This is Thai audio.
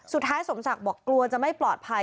สมศักดิ์บอกกลัวจะไม่ปลอดภัย